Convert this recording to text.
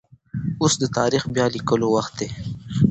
اوس د تاريخ بيا ليکلو وخت دی.